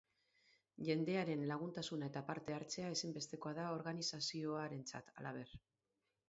Jendearen laguntasuna eta parte hartzea ezinbestekoa da organizazioarentzat, halaber.